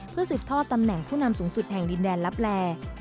เพื่อสิทธ์ทอดตำแหน่งผู้นำสูงสุดแห่งดินแดนและแปล